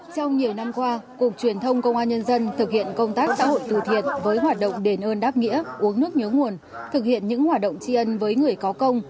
trong nhiều năm qua cục truyền thông công an nhân dân thực hiện công tác xã hội từ thiện với hoạt động đền ơn đáp nghĩa uống nước nhớ nguồn thực hiện những hoạt động tri ân với người có công